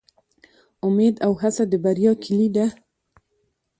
امید او هڅه د بریا کیلي ده